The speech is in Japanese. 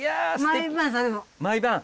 毎晩？